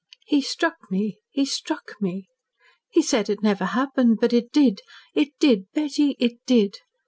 "He struck me! He struck me! He said it never happened but it did it did! Betty, it did!